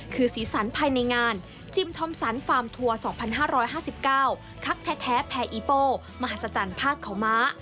คือสีสันภายในงานจิมทอมสันฟาร์มทัวร์๒๕๕๙คักแท้แพอีโป้มหัศจรรย์ภาคเขาม้า